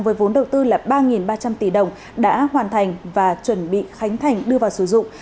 với vốn đầu tư là ba ba trăm linh tỷ đồng đã hoàn thành và chuẩn bị khánh thành đưa vào sử dụng